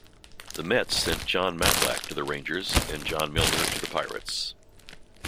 The Mets sent Jon Matlack to the Rangers and John Milner to the Pirates.